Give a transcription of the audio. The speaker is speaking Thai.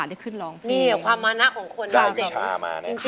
อายุ๒๔ปีวันนี้บุ๋มนะคะ